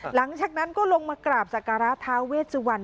หลังจากนั้นก็ลงมากราบสการาธาเวทสุวรรณ